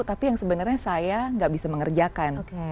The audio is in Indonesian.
tapi yang sebenarnya saya nggak bisa mengerjakan